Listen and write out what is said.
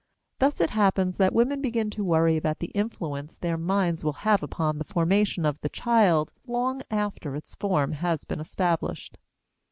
Thus it happens that women begin to worry about the influence their minds will have upon the formation of the child long after its form has been established.